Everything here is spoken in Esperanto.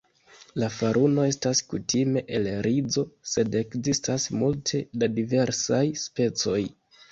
La faruno estas kutime el rizo, sed ekzistas multe da diversaj specoj.